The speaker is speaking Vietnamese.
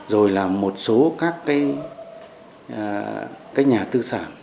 rồi là một số các cái nhà tư sản